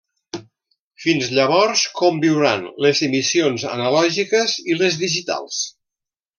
Fins llavors, conviuran les emissions analògiques i les digitals.